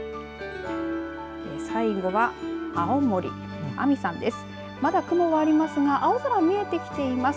最後は青森阿見さんです。